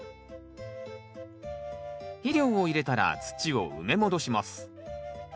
肥料を入れたら土を埋め戻します。